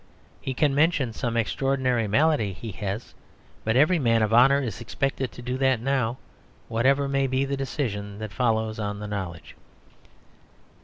He can mention some extraordinary malady he has; but every man of honour is expected to do that now, whatever may be the decision that follows on the knowledge.